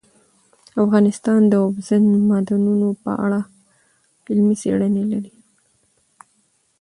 افغانستان د اوبزین معدنونه په اړه علمي څېړنې لري.